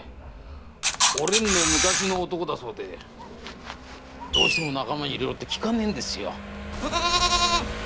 お蓮の昔の男だそうでどうしても仲間に入れろってきかねえんですよ。